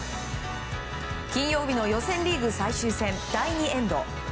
金曜日の予選リーグ最終戦第２エンド。